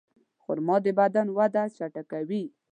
خرما د بدن وده چټکوي.